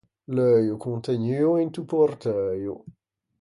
L’euio contegnuo into porteuio.